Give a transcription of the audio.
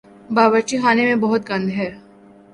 باورچی خانے میں بہت گند ہے